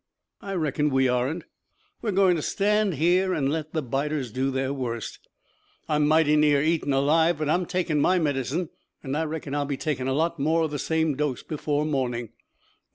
I reckon we aren't. We're going to stand here and let the biters do their worst. I'm mighty near eaten alive, but I'm taking my medicine and I reckon I'll be taking a lot more of the same dose before morning."